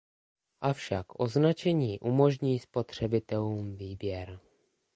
Avšak označení umožní spotřebitelům výběr.